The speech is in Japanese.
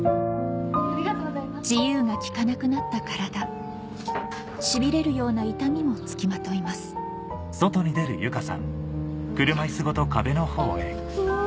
自由が利かなくなった体しびれるような痛みも付きまといますうわぁ！